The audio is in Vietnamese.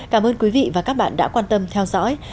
cảm ơn quý vị và các bạn đã quan tâm theo dõi